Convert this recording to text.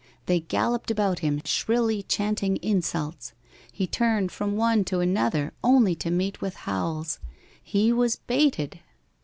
They galloped about him shrilly chanting insults. He turned from one to another, only to meet with howls. He was baited.